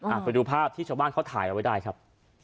ไปดูภาพที่ชาวบ้านเขาถ่ายเอาไว้ได้ครับ